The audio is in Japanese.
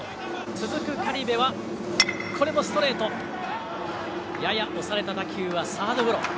続く苅部は、これもストレートにやや押された打球はサードゴロ。